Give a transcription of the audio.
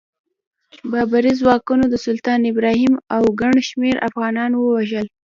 بابري ځواکونو د سلطان ابراهیم او ګڼ شمېر افغانان ووژل.